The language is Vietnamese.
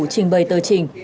trình bày tờ trình